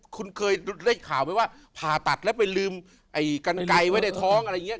คุณเคยได้ข่าวไหมว่าผ่าตัดแล้วไปลืมไอ้กันไกลไว้ในท้องอะไรอย่างนี้